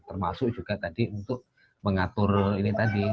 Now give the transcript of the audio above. termasuk juga tadi untuk mengatur ini tadi